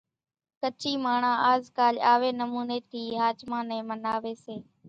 ڪڇي ماڻۿان آز ڪال آوي نموني ٿي ۿاچمان نين مناوي سي۔